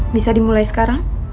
bisa dimulai sekarang